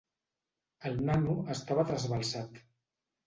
El nano estava trasbalsat.